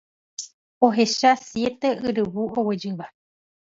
Ohecha siete yryvu oguejýva.